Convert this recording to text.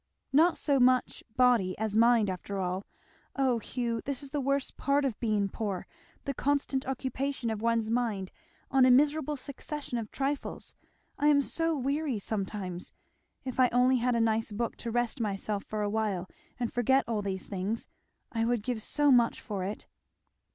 "Not so much body as mind, after all. Oh Hugh! this is the worst part of being poor! the constant occupation of one's mind on a miserable succession of trifles. I am so weary sometimes! If I only had a nice book to rest myself for a while and forget all these things I would give so much for it!